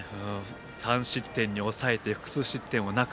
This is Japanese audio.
３失点に抑えて複数失点はなく。